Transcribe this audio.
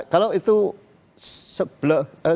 kalau itu sebelum km sembilan puluh delapan